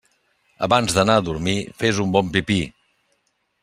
Abans d'anar a dormir, fes un bon pipí.